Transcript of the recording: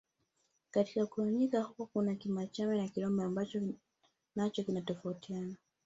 Katika kugawanyika huko kuna Kimachame na Kirombo ambacho nacho kinatofautiana